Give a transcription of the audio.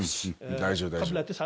大丈夫、大丈夫。